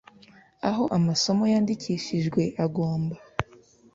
aho amasomo yandikishijwe agomba